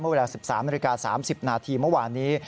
เมื่อเวลา๑๓นาที๓๐นาทีเมื่อวานนี้